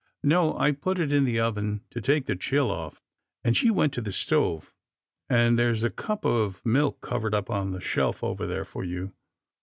"" No, I put it in the oven to take the chill off," and she went to the stove. And there's a cup of milk covered up on the shelf over there for you.